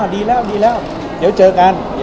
ดีแล้วดีแล้วเดี๋ยวเจอกัน